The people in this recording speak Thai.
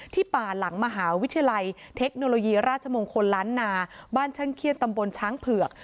ป่าหลังมหาวิทยาลัยเทคโนโลยีราชมงคลล้านนาบ้านช่างเครียดตำบลช้างเผือก